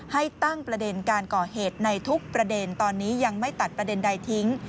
ให้ตั้งประเด็นการก่อเหตุในทุกประเด็นตอนนี้ยังไม่ตัดประเด็นใดทิ้ง